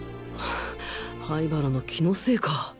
灰原の気のせいか？